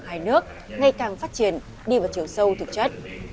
hai nước ngày càng phát triển đi vào chiều sâu thực chất